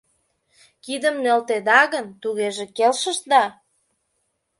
— Кидым нӧлтенда гын, тугеже келшышда?